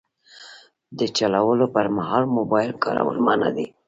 د چلولو پر مهال موبایل کارول منع دي.